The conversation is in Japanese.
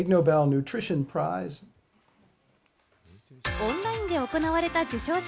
オンラインで行われた授賞式。